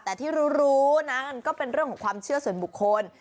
แต่ที่รู้นะมันก็เป็นเรื่องของความเชื่อส่วนบุคคล